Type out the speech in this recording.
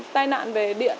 tai nạn về điện